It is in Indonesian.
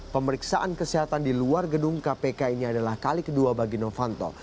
pemeriksaan kesehatan di luar gedung kpk ini adalah kali kedua bagi novanto